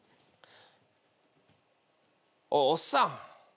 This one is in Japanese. おいおっさん。